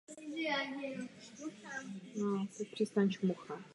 Tuto událost popisuje Romain Rolland ve svém románu "Petr a Lucie".